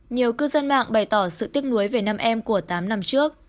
nhiều cư dân mạng bày tỏ sự tiếc nuối về năm em của tám năm trước